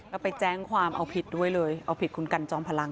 แล้วไปแจ้งความเอาผิดด้วยเลยเอาผิดคุณกันจอมพลัง